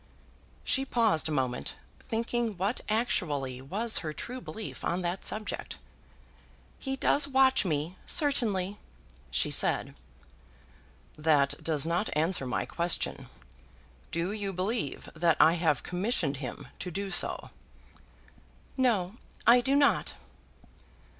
She paused a moment, thinking what actually was her true belief on that subject. "He does watch me, certainly," she said. "That does not answer my question. Do you believe that I have commissioned him to do so?" "No; I do not."